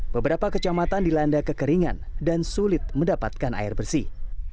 beberapa kecamatan dilanda kekeringan dan sulit mendapatkan air bersih